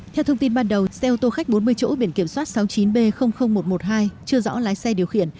theo thông tin ban đầu xe ô tô khách bốn mươi chỗ biển kiểm soát sáu mươi chín b một trăm một mươi hai chưa rõ lái xe điều khiển